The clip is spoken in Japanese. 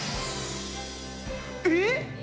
えっ！？